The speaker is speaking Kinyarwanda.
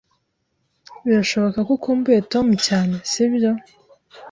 Birashoboka ko ukumbuye Tom cyane, sibyo?